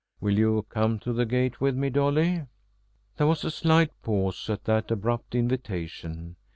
"Will you come to the gate with me, Dolly?" There was a slight pause at that abrupt invitation.